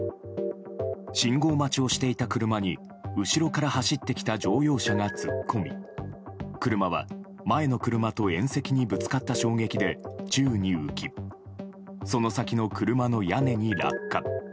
信号待ちをしていた車に後ろから走ってきた乗用車が突っ込み車は前の車と縁石にぶつかった衝撃で宙に浮きその先の車の屋根に落下。